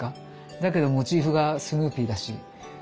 だけどモチーフがスヌーピーだし。